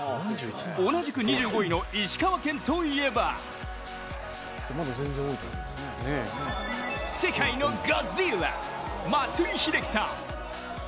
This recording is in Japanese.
同じく２５位の石川県といえば世界のゴジラ、松井秀喜さん。